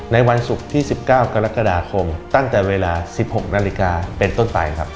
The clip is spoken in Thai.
ในวันศุกร์ที่๑๙กรกฎาคมตั้งแต่เวลา๑๖นาฬิกาเป็นต้นไปครับ